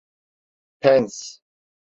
Pens…